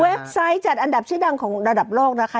ไซต์จัดอันดับชื่อดังของระดับโลกนะคะ